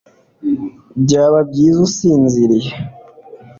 byaba byiza usinziriye